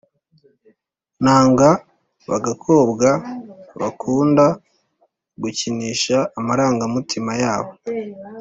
Nanga bagakobwa bakunda gukinisha amaranga mutima yabo